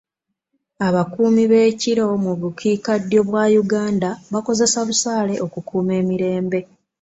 Ab'akuumi b'ekiro mu bukiika ddyo bwa Uganda bakozesa busaale okukuuma emirembe.